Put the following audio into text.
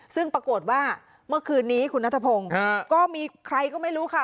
ซึ่งปรากฏว่าเมื่อคืนนี้คุณนัทพงศ์ก็มีใครก็ไม่รู้ค่ะ